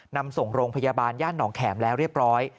นำส่งโรงพยาบาลย่านหนองแขมแล้วเรียบร้อย